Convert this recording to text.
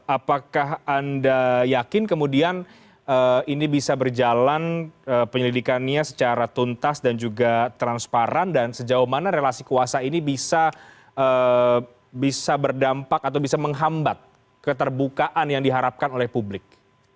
apakah anda yakin kemudian ini bisa berjalan penyelidikannya secara tuntas dan juga transparan dan sejauh mana relasi kuasa ini bisa berdampak atau bisa menghambat keterbukaan yang diharapkan oleh publik